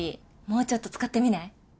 もうちょっと使ってみない？